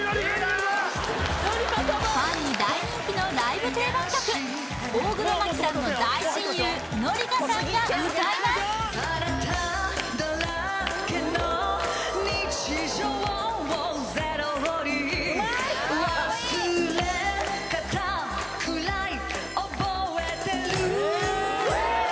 ファンに大人気のライブ定番曲大黒摩季さんの大親友紀香さんが歌います・うまい！